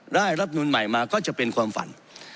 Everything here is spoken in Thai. รับนูลใหม่มาก็จะเป็นความฝัน